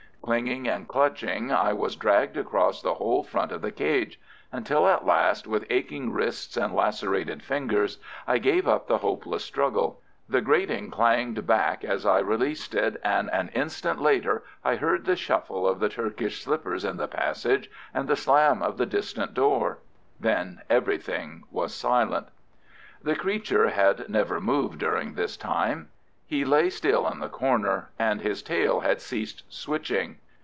Clinging and clutching, I was dragged across the whole front of the cage, until at last, with aching wrists and lacerated fingers, I gave up the hopeless struggle. The grating clanged back as I released it, and an instant later I heard the shuffle of the Turkish slippers in the passage, and the slam of the distant door. Then everything was silent. The creature had never moved during this time. He lay still in the corner, and his tail had ceased switching.